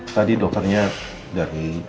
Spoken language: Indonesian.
tadi dokternya dari